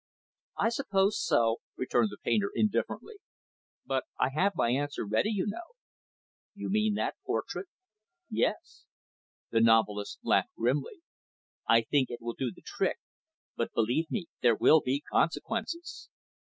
"I suppose so," returned the painter, indifferently. "But I have my answer ready, you know." "You mean that portrait?" "Yes." The novelist laughed grimly. "I think it will do the trick. But, believe me, there will be consequences!"